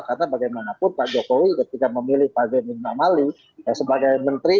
karena bagaimanapun pak jokowi ketika memilih pak zain ibn amali sebagai menteri